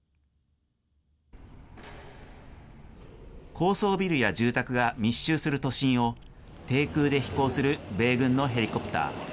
高層ビルや住宅が密集する都心を、低空で飛行する米軍のヘリコプター。